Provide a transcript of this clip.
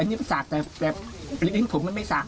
อันนี้มันสากแต่ลิ้นผมมันไม่สาก